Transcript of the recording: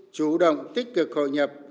chủ động tích cực hội nhập